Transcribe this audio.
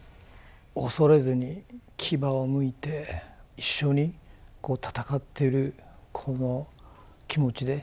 恐れずに牙をむいて一緒に戦ってるこの気持ちで。